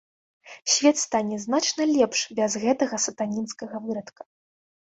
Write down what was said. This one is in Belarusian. Свет стане значна лепш без гэтага сатанінскага вырадка.